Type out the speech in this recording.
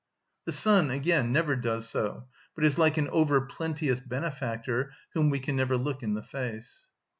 The sun, again, never does so; but is like an over‐plenteous benefactor whom we can never look in the face.